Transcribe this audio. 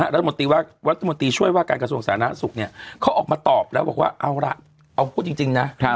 รัฐมนตรีช่วยว่าการกระทรวงศาลน้าศุกร์เนี่ยเขาออกมาตอบแล้วบอกว่าเอาล่ะเอาพูดจริงนะ